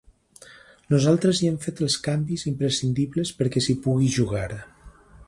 Nosaltres hi hem fet els canvis imprescindibles perquè s’hi pugui jugar.